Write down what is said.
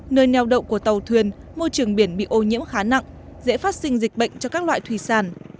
nơi neo đậu của tàu thuyền môi trường biển bị ô nhiễm khá nặng dễ phát sinh dịch bệnh cho các loại thủy sản